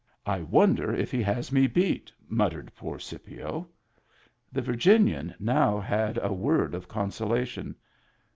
" I wonder if he has me beat ?" muttered poor Scipio. The Virginian now had a word of consolation.